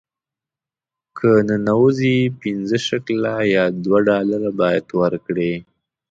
که ننوځې پنځه شکله یا دوه ډالره باید ورکړې.